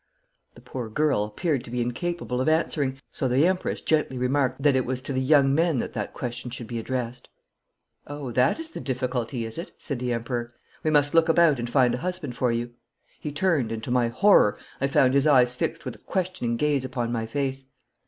The poor girl appeared to be incapable of answering, so the Empress gently remarked that it was to the young men that that question should be addressed. 'Oh, that is the difficulty, is it?' said the Emperor. 'We must look about and find a husband for you.' He turned, and to my horror I found his eyes fixed with a questioning gaze upon my face.